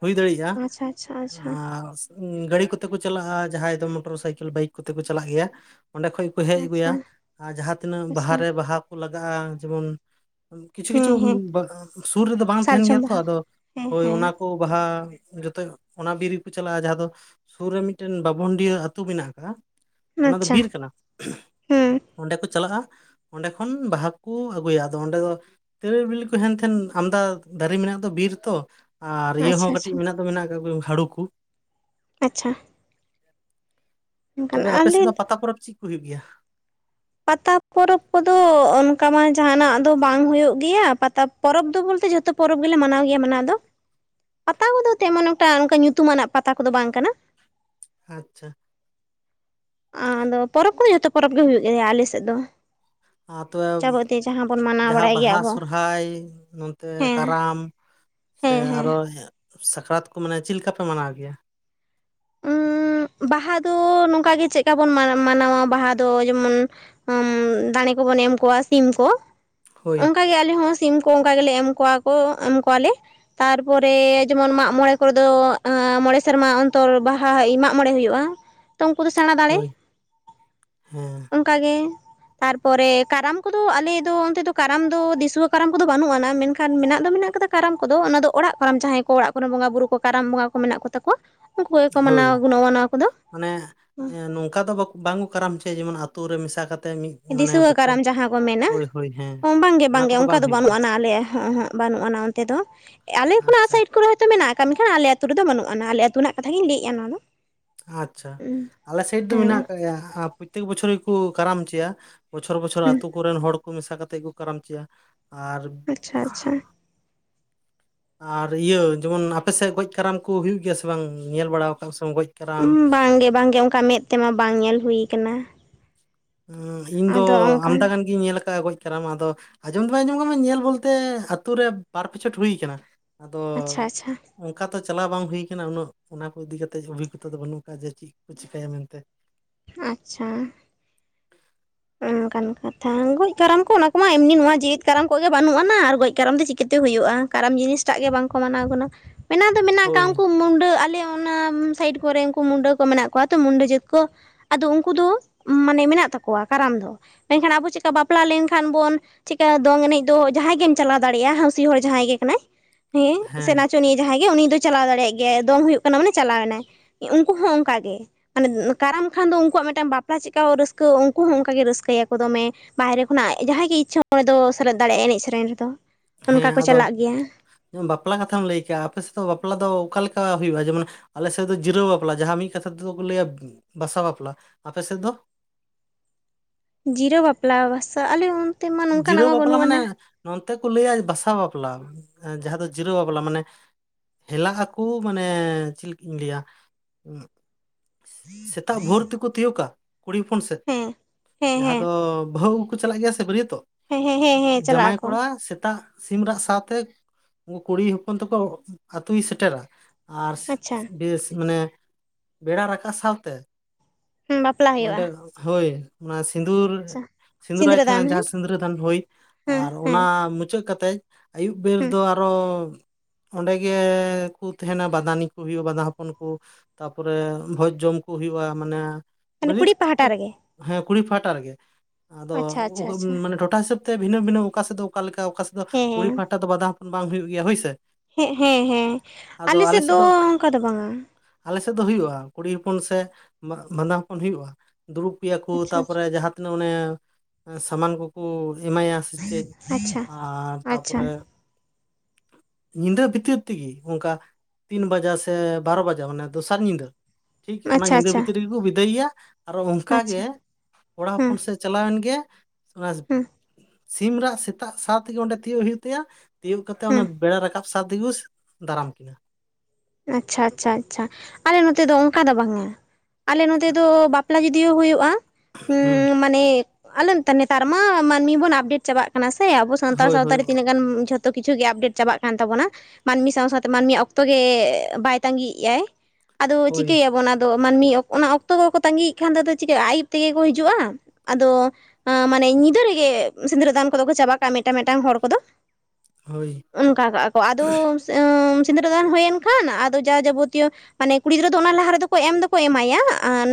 ᱦᱩᱭ ᱫᱟᱲᱮᱭᱟᱜᱼᱟ᱾ ᱟᱪᱪᱷᱟ ᱟᱪᱪᱷᱟ ᱟᱪᱪᱷᱟ ᱟᱸᱸ ᱜᱟᱹᱲᱤ ᱠᱚᱛᱮ ᱠᱚ ᱪᱟᱞᱟᱜᱼᱟ᱾ ᱡᱟᱦᱟᱸᱭ ᱫᱚ ᱢᱚᱴᱚᱨ ᱥᱟᱭᱠᱮᱞ ᱵᱟᱭᱤᱠ ᱠᱚᱛᱮ ᱠᱚ ᱪᱟᱞᱟᱜ ᱜᱮᱭᱟ, ᱚᱸᱰᱮ ᱠᱷᱚᱡ ᱦᱮᱡ ᱟᱹᱜᱩᱭᱟ ᱟᱪᱪᱷᱟ ᱟᱨ ᱡᱟᱦᱟᱸ ᱛᱤᱱᱟᱹᱜ ᱟᱪᱪᱷᱟ ᱵᱟᱦᱟᱨᱮ ᱵᱟᱦᱟ ᱠᱩ ᱞᱟᱜᱟᱜᱼᱟ᱾ ᱡᱮᱢᱚᱱ ᱠᱤᱪᱷᱩ ᱦᱮᱸ ᱠᱤᱪᱷᱩ ᱦᱮᱸ ᱵᱟ ᱥᱩᱨ ᱨᱮᱫᱚ ᱵᱟᱝ ᱛᱟᱦᱮᱱ ᱜᱮᱭᱟ ᱥᱟᱨᱡᱚᱢ ᱛᱚ ᱵᱟᱦᱟ ᱟᱫᱚ ᱦᱮᱸ ᱦᱳᱭ ᱦᱮᱸ ᱚᱱᱟᱠᱩ᱾ ᱵᱟᱦᱟ ᱡᱚᱛᱚ ᱚᱱᱟ ᱵᱤᱨ ᱨᱮᱠᱚ ᱪᱟᱞᱟᱜᱼᱟ᱾ ᱡᱟᱦᱟᱸ ᱫᱚ ᱥᱩᱨ ᱨᱮ ᱢᱤᱫᱴᱟᱹᱱ ᱵᱟᱵᱩᱱᱰᱷᱤᱭᱟᱹ ᱟᱹᱛᱩ ᱢᱮᱱᱟᱜ ᱟᱠᱟᱜ-ᱟ᱾ ᱚᱱᱟ ᱫᱚ ᱟᱪᱪᱷᱟ ᱵᱤᱨ ᱠᱟᱱᱟ ᱦᱮᱸ ᱚᱸᱰᱮ ᱠᱚ ᱪᱟᱞᱟᱜᱼᱟ᱾ ᱚᱸᱰᱮ ᱠᱷᱚᱱ ᱵᱟᱦᱟ ᱠᱩ ᱟᱜᱩᱭᱟ, ᱟᱫᱚ ᱚᱸᱰᱮ ᱫᱚ ᱛᱤᱨᱞ ᱵᱤᱞᱤ ᱠᱩ ᱦᱮᱱ ᱛᱷᱮᱱ ᱟᱢᱫᱟ ᱫᱟᱨᱮ ᱢᱮᱱᱟᱜ ᱫᱚ ᱵᱤᱨ ᱛᱚ ᱟᱨ ᱤᱭᱟᱹ ᱦᱚᱸ ᱟᱪᱪᱷᱟ ᱠᱟᱹᱴᱤᱡ ᱟᱪᱪᱷᱟ ᱢᱮᱱᱟᱜ ᱫᱚ ᱢᱮᱱᱟᱜ ᱠᱟᱜ ᱠᱚ ᱦᱟᱹᱲᱩ ᱠᱩ᱾ ᱟᱪᱪᱷᱟ᱾ ᱚᱱᱠᱟᱱ ᱛᱚᱵᱮ ᱟᱯᱮ ᱥᱮᱫ ᱫᱚ ᱟᱞᱮ ᱯᱟᱛᱟ ᱯᱚᱨᱚᱵᱽ ᱪᱤᱜ ᱠᱩ ᱦᱩᱭᱩᱜ ᱜᱮᱭᱟ? ᱯᱟᱛᱟ ᱯᱚᱨᱚᱵᱽ ᱠᱚᱫᱚ ᱚᱱᱠᱟ ᱢᱟ ᱡᱟᱦᱱᱟᱜ ᱫᱚ ᱵᱟᱝ, ᱦᱳᱭᱳᱜ ᱜᱮᱭᱟ ᱯᱟᱛᱟ ᱯᱚᱨᱚᱵᱽ ᱫᱚ ᱵᱚᱞᱛᱮ ᱡᱷᱚᱛᱚ ᱯᱚᱨᱚᱵᱽ ᱜᱮᱞᱮ ᱢᱟᱱᱟᱣ ᱜᱮᱭᱟ ᱢᱟᱱᱟᱣ ᱫᱚ᱾ ᱯᱟᱛᱟ ᱠᱚᱫᱚ ᱛᱮᱢᱚᱱ ᱮᱠᱴᱟ ᱚᱱᱠᱟ ᱧᱩᱛᱩᱢ ᱟᱱᱟᱜ ᱯᱟᱛᱟ ᱠᱚᱫᱚ ᱵᱟᱝ ᱠᱟᱱᱟ᱾ ᱟᱪᱪᱷᱟ᱾ ᱟᱫᱚ ᱯᱚᱨᱚᱵᱽ ᱠᱚᱫᱚ ᱡᱚᱛᱚ ᱯᱚᱨᱚᱵᱽ ᱜᱮ ᱦᱩᱭᱩᱜ ᱜᱮᱭᱟ ᱟᱞᱮ ᱥᱮᱫ ᱫᱚ᱾ [unintelligible] ᱡᱟᱵᱚᱛᱤᱭᱚ ᱡᱟᱦᱟᱸ ᱵᱚᱱ ᱢᱟᱱᱟᱣ ᱡᱟᱦᱟᱸ ᱵᱟᱲᱟᱭ ᱜᱮᱭᱟ ᱵᱟᱦᱟ ᱟᱵᱚ ᱥᱚᱨᱦᱟᱭ ᱱᱚᱱᱛᱮ ᱦᱮᱸ ᱠᱟᱨᱟᱢ᱾ ᱥᱮ ᱦᱮᱸ ᱟᱨᱚ ᱦᱮᱸ ᱥᱟᱠᱨᱟᱛ ᱠᱚ ᱢᱟᱱᱮ ᱪᱤᱫ ᱞᱮᱠᱟᱯᱮ ᱢᱟᱱᱟᱣ ᱜᱮᱭᱟ? ᱵᱟᱦᱟ ᱫᱚ ᱱᱚᱝᱠᱟᱜᱮ ᱪᱮᱫᱠᱟ ᱵᱚᱱ ᱢᱟᱱᱟᱣᱟ ᱵᱟᱦᱟ ᱫᱚ ᱡᱮᱢᱚᱱ ᱫᱟᱸᱲᱮ ᱠᱚᱵᱚᱱ ᱮᱢ ᱠᱚᱣᱟ ᱥᱤᱢ ᱠᱚ ᱦᱳᱭ᱾ ᱚᱱᱠᱟ ᱜᱮ ᱟᱞᱮ ᱦᱚᱸ ᱥᱤᱢ ᱠᱚ ᱚᱱᱠᱟ ᱜᱮᱞᱮ ᱮᱢ ᱠᱚᱣᱟ ᱠᱚ, ᱮᱢ ᱠᱚᱣᱟᱞᱮ᱾ ᱛᱟᱨᱯᱚᱨᱮ ᱡᱮᱢᱚᱱ ᱢᱟᱜ ᱢᱚᱬᱮ ᱠᱚᱨᱚ ᱫᱚ ᱢᱚᱬᱮ ᱥᱮᱨᱢᱟ ᱚᱱᱛᱚᱨ ᱵᱟᱦᱟ ᱢᱟᱜ ᱢᱚᱬᱮ ᱦᱳᱭᱳᱜᱼᱟ᱾ ᱛᱚ ᱩᱱᱠᱩ ᱫᱚ ᱥᱮᱬᱟ ᱫᱟᱲᱮ ᱦᱳᱭ ᱦᱮᱸ ᱚᱝᱠᱟ ᱜᱮ ᱛᱟᱨᱯᱚᱨᱮ ᱠᱟᱨᱟᱢ ᱠᱚᱫᱚ ᱟᱞᱮ ᱫᱚ ᱚᱱᱛᱮ ᱫᱚ ᱠᱟᱨᱟᱢ ᱫᱚ ᱫᱤᱥᱩᱣᱟᱹ ᱠᱟᱨᱟᱢ ᱠᱚᱫᱚ ᱵᱟᱹᱱᱩᱜ ᱟᱱᱟ᱾ ᱢᱮᱱᱠᱷᱟᱱ ᱢᱮᱱᱟᱜ ᱫᱚ ᱢᱮᱱᱟᱜ ᱠᱟᱫᱟ ᱠᱟᱨᱟᱢ ᱠᱚᱫᱚ ᱚᱱᱟ ᱫᱚ, ᱚᱲᱟᱜ ᱠᱟᱨᱟᱢ ᱡᱟᱦᱟᱸᱭ ᱠᱚ ᱚᱲᱟᱜ ᱠᱚᱨᱮᱱ ᱵᱚᱸᱜᱟ ᱵᱩᱨᱩ ᱠᱚ, ᱠᱟᱨᱟᱢ ᱵᱚᱸᱜᱟ ᱠᱚ ᱢᱮᱱᱟᱜ ᱠᱚᱛᱟ ᱩᱱᱠᱩ ᱜᱮᱠᱚ ᱦᱳᱭ ᱢᱟᱱᱟᱣ ᱜᱩᱱᱟᱹᱣᱟ ᱱᱚᱣᱟ ᱠᱚᱫᱚ ᱢᱟᱱᱮ ᱱᱚᱝᱠᱟ ᱫᱚ ᱵᱟᱝᱠᱚ ᱠᱟᱨᱟᱢ ᱦᱚᱸ ᱪᱚᱭᱟ ᱡᱮᱢᱚᱱ ᱟᱛᱳ ᱨᱮ ᱢᱮᱥᱟ ᱠᱟᱛᱮ ᱢᱤᱫ ᱢᱟᱱᱮ ᱫᱤᱥᱩᱣᱟᱹ ᱵᱚᱪᱷᱚᱨ ᱠᱟᱨᱟᱢ ᱡᱟᱦᱟᱸ ᱠᱚ ᱢᱮᱱᱟ᱾ ᱦᱳᱭ ᱦᱳᱭ ᱦᱮᱸ ᱵᱟᱝᱜᱮ ᱚᱱᱟ ᱵᱟᱝᱜᱮ ᱠᱚᱫᱚ ᱵᱟᱝ ᱚᱝᱠᱟ ᱫᱚ ᱦᱩᱭᱩᱜ ᱵᱟᱹᱱᱩᱜ ᱜᱮᱭᱟ ᱟᱱᱟ ᱟᱞᱮ ᱵᱟᱹᱱᱩᱜ ᱟ ᱚᱱᱛᱮ ᱫᱚ᱾ ᱟᱞᱮ ᱠᱷᱚᱱᱟᱜ ᱟᱪᱪᱷᱟ ᱥᱟᱭᱤᱰ ᱠᱚᱨᱮ ᱦᱚᱛᱳ ᱢᱮᱱᱟᱜ ᱠᱟᱜᱫᱟ ᱢᱮᱱᱠᱷᱟᱱ ᱟᱞᱮ ᱟᱹᱛᱩᱳ ᱨᱮᱫᱚ ᱵᱟᱹᱱᱩᱜ ᱟᱱᱟ᱾ ᱟᱞᱮ ᱟ ᱟᱹᱛᱩ ᱨᱮᱱᱟᱜ ᱠᱟᱛᱷᱟ ᱜᱤᱧ ᱞᱟᱹᱭᱮᱫᱼᱟ ᱱᱚᱣᱟ ᱫᱚ᱾ ᱟᱪᱪᱷᱟ ᱟᱞᱮ ᱥᱟᱭᱤᱴ ᱫᱚ ᱦᱮᱸ ᱢᱮᱱᱟᱜ ᱠᱟᱜ-ᱟ᱾ ᱯᱨᱚᱛᱛᱮᱠ ᱵᱚᱪᱷᱚᱨ ᱜᱮᱠᱚ ᱠᱟᱨᱟᱢ ᱦᱚᱪᱚᱭᱟ ᱵᱚᱪᱷᱚᱨ ᱵᱚᱪᱷᱚᱨ ᱦᱮᱸ ᱟᱹᱛᱩᱳ ᱠᱚᱨᱮᱱ ᱦᱚᱲ ᱠᱚ ᱢᱮᱥᱟ ᱠᱟᱛᱮ ᱮᱫ ᱠᱚ ᱠᱟᱨᱟᱢ ᱦᱚᱪᱚᱭᱟ ᱟᱨ ᱟᱪᱪᱷᱟ ᱟᱪᱪᱷᱟ ᱟᱨ ᱤᱭᱟᱹ ᱡᱚᱢᱚᱱ ᱟᱯᱮ ᱥᱮᱫ ᱜᱚᱡ ᱠᱟᱨᱟᱢ ᱠᱚ ᱦᱩᱭᱩᱜ ᱜᱮᱭᱟ ᱥᱮ ᱵᱟᱝ? ᱧᱮᱞ ᱵᱟᱲᱟ ᱠᱟᱜ ᱢᱮ ᱥᱮ ᱵᱟᱝ ᱜᱚᱡ ᱠᱟᱨᱟᱢ ᱵᱟᱝ ᱜᱮ ᱵᱟᱝ ᱜᱮ ᱚᱱᱠᱟ ᱢᱮᱫ ᱛᱮᱢᱟ ᱵᱟᱝ ᱧᱮᱞ ᱦᱩᱭ ᱟᱠᱟᱱᱟ᱾ ᱩᱸ ᱤᱧ ᱫᱚ ᱚᱱᱠᱟᱱ ᱟᱢᱫᱟ ᱜᱟᱱ ᱜᱤᱧ ᱧᱮᱞ ᱠᱟᱜ-ᱟ ᱜᱚᱡ ᱠᱟᱱᱟ ᱱᱚᱫᱚ ᱟᱸᱡᱚᱢ ᱫᱚ ᱵᱟᱭ ᱟᱸᱡᱚᱢ ᱠᱟᱜ ᱟ ᱧᱮᱞ ᱵᱚᱞᱛᱮ ᱟᱛᱳ ᱨᱮ ᱵᱟᱨ ᱯᱮᱪᱷᱚᱴ ᱦᱩᱭ ᱠᱟᱱᱟ᱾ ᱟᱫᱚ᱾ ᱟᱪᱪᱷᱟ ᱟᱪᱪᱷᱟ ᱚᱝᱠᱟ ᱛᱚ ᱪᱟᱞᱟᱣ ᱵᱟᱝ ᱦᱩᱭᱩ ᱟᱠᱟᱱᱟ᱾ ᱩᱱᱟᱹᱜ ᱚᱱᱟ ᱠᱚ ᱤᱫᱤ ᱠᱟ ᱠᱟᱛᱮ ᱮᱫ ᱚᱵᱷᱤᱜᱚᱛᱟ ᱫᱚ ᱵᱟᱹᱱᱩᱜ ᱠᱟᱜᱼᱟ ᱡᱮ ᱪᱮᱫ ᱠᱚ ᱪᱮᱤᱠᱟᱹᱭᱟ ᱢᱮᱱᱛᱮ᱾ ᱟᱪᱪᱷᱟ᱾ [inaudible] ᱝᱠᱟᱱ ᱠᱟᱛᱷᱟ ᱜᱚᱡ ᱠᱟᱨᱟᱢ ᱠᱚ ᱚᱱᱟ ᱠᱚᱢᱟ ᱮᱢᱱᱤ ᱱᱚᱣᱟ ᱡᱮᱣᱮᱫ ᱠᱟᱨᱟᱢ ᱠᱚᱜ ᱜᱮ ᱵᱟᱹᱱᱩᱜ ᱟᱱᱟ ᱟᱨ ᱜᱚᱡ ᱠᱟᱨᱟᱢ ᱫᱚ ᱪᱤᱠᱟᱹᱛᱮ ᱦᱩᱭᱩᱜᱼᱟ᱾ ᱠᱟᱨᱟᱢ ᱡᱤᱱᱤᱥ ᱴᱟᱜ ᱜᱮ ᱵᱟᱝᱠᱚ ᱢᱟᱱᱟᱣ ᱠᱟᱱᱟ ᱢᱮ ᱫᱚ ᱢᱮᱱᱟᱜ ᱟᱠᱟᱫ ᱦᱳᱭ ᱩᱱᱠᱩ ᱢᱩᱱᱰᱟ ᱟᱞᱮᱭᱟᱜᱼᱼ ᱚᱱᱟ ᱥᱟᱭᱤᱰ ᱠᱚᱨᱮ ᱩᱱᱠᱩ ᱢᱩᱱᱰᱟᱹ ᱠᱚ ᱢᱮᱱᱟᱜ ᱠᱚᱣᱟ ᱛᱚ ᱢᱩᱱᱰᱟᱹ ᱡᱚᱛᱚ ᱠᱚᱼᱼ ᱟᱫᱚ ᱩᱱᱠᱩ ᱫᱚ ᱢᱟᱱᱮ ᱢᱮᱱᱟᱜ ᱛᱟᱠᱚᱣᱟ ᱠᱟᱨᱟᱢ ᱫᱚ ᱢᱮᱱᱠᱷᱟᱱ ᱟᱵᱚ ᱪᱤᱠᱠᱟ ᱵᱟᱯᱞᱟ ᱞᱮᱱᱠᱷᱟᱱ ᱵᱚᱱᱼᱼ ᱪᱮᱠᱟ ᱫᱚᱝ ᱮᱱᱮᱡ ᱫᱚ ᱡᱟᱦᱟᱸᱭ ᱜᱮᱢ ᱪᱟᱞᱟᱣ ᱫᱟᱲᱮᱭᱟᱜᱼᱟ ᱦᱟᱹᱣᱥᱤ ᱦᱚᱲ ᱡᱟᱦᱟᱸᱭ ᱜᱮ ᱠᱟᱱᱟᱭᱼᱼ ᱦᱮᱸ ᱥᱮᱱᱟᱪᱚᱱᱤᱭᱟᱹ ᱡᱟᱦᱟᱸᱭ ᱜᱮ ᱩᱱᱤ ᱫᱚ ᱪᱟᱞᱟᱣ ᱫᱟᱲᱮᱭᱟᱜ ᱜᱮᱭᱟᱭ ᱫᱚᱢ ᱦᱩᱭᱩᱜ ᱠᱟᱱᱟ ᱢᱟᱱᱮ ᱪᱟᱞᱟᱣ ᱮᱱᱟᱭ᱾ ᱩᱱᱠᱩ ᱦᱚᱸ ᱚᱱᱠᱟ ᱜᱮ ᱢᱟᱱᱮ ᱠᱟᱨᱟᱢ ᱠᱷᱟᱱ ᱫᱚ ᱩᱱᱠᱩᱣᱟᱜ ᱢᱤᱫᱴᱟᱱ ᱵᱟᱯᱞᱟ ᱪᱤᱠᱠᱟ ᱨᱟᱹᱥᱠᱟᱹᱼᱼ ᱟᱠᱚᱠᱩ ᱦᱚᱸ ᱚᱱᱠ ᱜᱮᱮᱟᱹᱠᱟᱹᱭᱟᱠᱚ ᱫᱚᱢᱮ ᱵᱟᱦᱨᱮ ᱠᱷᱚᱱᱟᱜ ᱡᱟᱦᱟᱸᱭ ᱜᱮ ᱤᱪᱪᱷᱟᱹ ᱚᱸᱰᱮ ᱫᱚ ᱥᱮᱞᱮᱫ ᱫᱟᱲᱮᱭᱟᱜᱟᱭ ᱮᱱᱮᱡ ᱥᱮᱨᱮᱧ ᱨᱮᱫᱚᱼᱼ ᱦᱮᱸ ᱟᱫᱚ ᱵᱟᱯᱞᱟ ᱠᱟᱛᱷᱟᱢ ᱞᱟᱹᱭ ᱠᱮᱜ ᱟᱯᱮ ᱥᱮᱫ ᱫᱚ ᱵᱟᱯᱞᱟ ᱫᱚ ᱚᱠᱟᱞᱠᱟ ᱦᱩᱭᱩᱜᱼᱟ? ᱡᱮᱢᱚᱱᱼᱼ ᱟᱞᱮ ᱥᱮᱫ ᱫᱚ ᱡᱤᱨᱟᱹᱣ ᱵᱟᱯᱞᱟ ᱡᱟᱦᱟᱸ ᱢᱤᱫ ᱠᱟᱛᱷᱟ ᱛᱮᱫᱚ ᱠᱚ ᱞᱟᱹᱭᱟ ᱵᱟᱥᱟ ᱵᱟᱯᱞᱟ ᱟᱯᱮ ᱥᱮᱫ ᱫᱚ? ᱡᱤᱨᱟᱹᱣ ᱵᱟᱯᱞᱟ ᱵᱟᱥᱟ ᱟᱞᱮ ᱚᱱᱛᱮ ᱢᱟ ᱱᱚᱝᱠᱟᱱᱟᱜ ᱡᱤᱨᱟᱹᱣ ᱢᱟ ᱵᱟᱯᱞᱟ ᱵᱟᱹᱱᱩᱜ ᱢᱟᱱᱮ ᱟᱱᱟ᱾ ᱱᱚᱱᱛᱮ ᱠᱚ ᱞᱟᱹᱭᱟ ᱵᱟᱷᱟᱥᱟ ᱵᱟᱯᱞᱟ ᱡᱟᱦᱟᱸ ᱫᱚ ᱡᱤᱨᱟᱹᱣ ᱵᱟᱯᱞᱟ ᱢᱟᱱᱮᱼᱼ ᱦᱮᱞᱟᱜ ᱟᱠᱚ ᱢᱟᱱᱮ ᱪᱮᱫ ᱞᱮᱠᱟ ᱤᱧ ᱞᱟᱹᱭᱟᱼᱼ ᱥᱮᱛᱟᱜ ᱵᱷᱳᱨ ᱛᱮᱠᱚ ᱛᱤᱭᱳᱜᱟ᱾ ᱠᱩᱲᱤ ᱦᱚᱯᱚᱱ ᱥᱮᱫ ᱦᱮᱸ ᱦᱮᱸ ᱡᱟᱦᱟᱸ ᱦᱮᱸ ᱫᱚ ᱵᱟᱹᱦᱩ ᱟᱜᱩ ᱠᱚ ᱪᱟᱞᱟᱜ ᱜᱮᱭᱟ ᱥᱮ ᱵᱟᱹᱨᱤᱭᱟᱹᱛ᱾ ᱦᱮᱸ ᱦᱮᱸ ᱦᱮᱸ ᱦᱮᱸ ᱪᱟᱞᱟᱜ ᱡᱟᱢᱟᱭ ᱟᱠᱚ ᱠᱚᱲᱟ ᱥᱮᱛᱟᱜᱼᱼ ᱥᱤᱢ ᱨᱟᱜ ᱥᱟᱶᱛᱮ ᱠᱩᱲᱤ ᱦᱚᱯᱚᱱ ᱛᱮᱠᱚ ᱟᱹᱛᱩᱭ ᱥᱮᱴᱮᱨᱟ᱾ ᱟᱨ ᱟᱪᱪᱷᱟ ᱵᱮᱥ ᱢᱟᱱᱮ ᱵᱮᱲᱟ ᱨᱟᱠᱟᱵ ᱥᱟᱶᱛᱮᱼᱼ ᱦᱮᱸ ᱵᱟᱯᱞᱟ ᱦᱩᱭᱩᱜᱼᱟ ᱚᱸᱰᱮ ᱦᱳᱭ ᱚᱱᱟ ᱥᱤᱸᱫᱩᱨ ᱟᱪᱪᱷᱟ ᱥᱤᱸᱫᱩᱨᱟᱭ ᱥᱤᱸᱫᱽᱨᱟᱹ ᱫᱟᱱ ᱛᱟᱦᱮᱱᱟ ᱦᱮᱸ ᱡᱟᱦᱟᱸᱼᱼ ᱥᱤᱸᱫᱽᱨᱟᱹᱫᱟᱱ ᱦᱩᱭ ᱦᱮᱸ ᱟᱨ ᱦᱮᱸ ᱚᱱᱟ ᱢᱩᱪᱟᱹᱫ ᱠᱟᱛᱮᱜ ᱟᱹᱭᱩᱵ ᱦᱮᱸ ᱯᱚᱨᱡᱚᱱᱛᱚ ᱟᱨᱚᱼᱼ ᱚᱸᱰᱮ ᱜᱮ ᱛᱟᱦᱮᱱᱟ ᱵᱟᱫᱟᱱᱤ ᱠᱚ ᱦᱩᱭᱩᱜᱼᱟ ᱵᱟᱫᱟᱯᱚᱱ ᱠᱚᱼᱼ ᱛᱟᱨᱯᱚᱨᱮ ᱵᱷᱚᱡᱽ ᱡᱚᱢ ᱠᱚ ᱦᱩᱭᱩᱜᱼᱟ ᱢᱟᱱᱮᱼᱼ ᱢᱟᱱᱮ ᱵᱟᱹᱨᱤᱭᱟᱹᱛ ᱠᱩᱲᱤ ᱠᱚ ᱯᱟᱦᱴᱟ ᱨᱮᱜᱮ ᱦᱮᱸ ᱠᱩᱲᱤ ᱯᱷᱟᱴᱟ ᱨᱮᱜᱮ ᱟᱫᱚᱼᱼ ᱟᱪᱪᱷᱟ ᱟᱪᱪᱷᱟ ᱟᱪᱪᱷᱟ ᱢᱟᱱ ᱴᱚᱴᱷᱟ ᱦᱤᱥᱟᱹᱵ ᱛᱮ ᱵᱷᱤᱱᱟᱹ ᱵᱷᱤᱱᱟᱹ ᱚᱠᱟ ᱥᱮᱫ ᱫᱚ ᱚᱠᱟ ᱞᱮᱠᱟᱠᱟ ᱚᱠᱟ ᱥᱮᱫ ᱫᱚ ᱦᱮᱸ ᱠᱩᱲᱤ ᱦᱮᱸ ᱯᱟᱦᱴᱟ ᱫᱚ ᱵᱟᱫᱟ ᱦᱚᱯᱚᱱ ᱵᱟᱝ ᱦᱩᱭᱩᱜ ᱜᱮᱭᱟ ᱦᱳᱭᱥᱮ᱾ ᱦᱮ ᱦᱮᱸ ᱦᱮᱸ ᱟᱫᱚ ᱟᱞᱮ ᱟᱞᱮᱥᱮᱫ ᱥᱮᱫ ᱫᱚ ᱚᱱᱠᱟ ᱫᱚ ᱵᱟᱝ ᱟ᱾ ᱟᱞᱮ ᱥᱮᱫ ᱫᱚ ᱦᱩᱭᱩᱜᱼᱟ ᱠᱩᱲᱤ ᱦᱚᱯᱚᱱ ᱥᱮ ᱵᱷᱟᱫᱟ ᱦᱚᱯᱚᱱ ᱦᱩᱭᱩᱜᱼᱟ᱾ ᱫᱩᱲᱩᱵ ᱯᱮᱭᱟ ᱠᱚ ᱟᱪᱪᱷᱟ ᱛᱟᱨᱯᱚᱨᱮ ᱟᱪᱪᱷᱟ ᱡᱟᱦᱟᱸ ᱛᱤᱱᱟᱹᱜ ᱚᱱᱮᱼᱼ ᱥᱟᱢᱟᱱ ᱠᱚᱠᱚ ᱮᱢᱟᱭᱟ ᱥᱮ ᱪᱮᱫ ᱟᱪᱪᱷᱟ ᱟᱨ ᱟᱪᱪᱷᱟ ᱛᱟᱨᱯᱚᱨᱮᱼᱼ ᱧᱤᱫᱟᱹ ᱵᱷᱤᱛᱤᱨ ᱛᱮᱜᱮ ᱚᱱᱠᱟ ᱛᱤᱱ ᱵᱟᱡᱟᱜ ᱥᱮ ᱵᱟᱨᱚ ᱵᱟᱡᱟᱜ ᱟᱱᱮ ᱫᱚᱥᱟᱨ ᱧᱤᱫᱟᱹᱼᱼ ᱴᱷᱤᱠ ᱚᱱᱟ ᱟᱪᱪᱷᱟ ᱧᱤᱫᱟᱹ ᱟᱪᱪᱷᱟ ᱵᱷᱤᱛᱨᱤ ᱨᱮᱜᱮᱠᱚ ᱵᱤᱫᱟᱹᱭᱮᱭᱟ ᱟᱨᱚ ᱟᱪᱪᱷᱟ ᱚᱱᱠᱟᱜᱮᱼᱼ ᱠᱚᱲᱟ ᱦᱮᱸ ᱦᱚᱯᱚᱱ ᱥᱮᱫ ᱪᱟᱞᱟᱣ ᱮᱱ ᱜᱮᱼᱼ ᱚᱱᱟ ᱦᱮᱸ ᱥᱤᱢ ᱨᱟᱜ ᱥᱮᱛᱟᱜ ᱥᱟᱶ ᱛᱮᱜᱮ ᱚᱸᱰᱮ ᱛᱤᱭᱳᱜ ᱦᱩᱭᱩᱜ ᱛᱟᱭᱟ᱾ ᱛᱤᱭᱳᱜ ᱠᱟᱛᱮ ᱦᱮᱸ ᱚᱱᱟ ᱵᱮᱲᱟ ᱨᱟᱠᱟᱵ ᱥᱟᱣ ᱛᱮᱜᱮ ᱫᱟᱨᱟᱢ ᱠᱤᱱᱟᱹᱼᱼ ᱟᱪᱪᱷᱟ ᱟᱪᱪᱷᱟ ᱟᱪᱷᱟ ᱟᱞᱮ ᱱᱚᱛᱮ ᱫᱚ ᱚᱱᱠᱟ ᱫᱚ ᱵᱟᱝᱟ᱾ ᱟᱞᱮ ᱱᱚᱚᱛ ᱫᱚ ᱵᱟᱯᱞᱟ ᱡᱩᱫᱤᱭᱳ ᱦᱩᱭᱩᱜᱭᱳᱼᱟ᱾ ᱦᱩᱸ ᱢᱟᱱᱮ ᱟᱞᱮ ᱱᱮᱛᱟᱨ ᱢᱟ ᱢᱟᱱᱢᱤ ᱵᱚᱱ ᱟᱯᱰᱮᱴ ᱪᱟᱵᱟᱜ ᱠᱟᱱ᱾ ᱠᱟᱱᱟ ᱥᱮ ᱟᱵᱚ ᱥᱟᱱᱛᱟᱲ ᱦᱳᱭ ᱦᱳᱭ ᱥᱟᱶᱛᱟᱮ ᱨᱮ ᱛᱤᱱᱟᱹᱜ ᱜᱟᱱ ᱡᱷᱚᱛᱚᱼᱼ ᱡᱚᱛᱚ ᱠᱤᱪᱷᱩ ᱜᱮ ᱟᱯᱰᱮᱴ ᱪᱟᱵᱟᱜ ᱠᱟᱱ ᱛᱟᱵᱱᱟ ᱢᱟᱹᱱᱢᱤ ᱥᱟᱶ ᱥᱟᱶᱛᱮ ᱢᱟᱹᱱᱢᱤ ᱚᱠᱛᱚ ᱜᱮᱼᱼ ᱵᱟᱭ ᱛᱟᱺᱜᱤᱭᱮᱫ ᱟᱭ ᱟᱫᱚ ᱦᱳᱭ ᱪᱤᱠᱟᱹᱟᱵᱚᱱ? ᱟᱫᱚ ᱢᱟᱹᱱᱢᱤ ᱚᱱᱟ ᱚᱠᱛᱚ ᱠᱚᱠᱚ ᱛᱟᱸᱜᱤᱭᱮᱫ ᱠᱷᱟᱱ ᱫᱚ ᱪᱤᱠᱟᱹᱜ ᱟᱹᱭᱩᱵ ᱛᱮᱜᱮ ᱠᱚ ᱦᱤᱡᱩᱜᱼᱟ ᱟᱫᱚᱼᱼ ᱢᱟᱱᱮ ᱧᱤᱫᱟᱹ ᱨᱮᱜᱮ ᱥᱤᱸᱤᱫᱨᱟᱹ ᱫᱟᱱ ᱠᱚᱫᱚ ᱠᱚ ᱪᱟᱵᱟ ᱠᱟᱜᱼᱟ ᱢᱤᱫᱴᱟᱝ ᱢᱤᱫᱴᱟᱝ ᱦᱚᱲ ᱠᱚᱫᱚᱼᱼ ᱦᱳᱭ᱾ ᱚᱱᱠᱟ ᱠᱟᱜᱼᱟ ᱠᱚ ᱟᱫᱚ ᱥᱤᱸᱫᱽᱨᱟᱹ ᱫᱟᱱ ᱦᱩᱭᱮᱱᱼᱼ ᱠᱷᱟᱱ ᱟᱫᱚ ᱡᱟ ᱡᱟᱵᱚᱛᱤᱭᱚ ᱢᱟᱱᱮ ᱠᱩᱲᱤ ᱜᱤᱫᱽᱨᱟᱹ ᱫᱚ ᱚᱱᱟ ᱞᱟᱦᱟ ᱨᱮᱫᱚ ᱮᱢ ᱫᱚᱠᱚ ᱮᱢᱟᱭᱟ ᱮᱱᱼᱼ